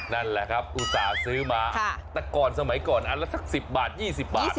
นั่นแหละครับอุตส่าห์ซื้อมาแต่ก่อนสมัยก่อนอันละสัก๑๐บาท๒๐บาท